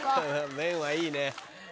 麺はいいね。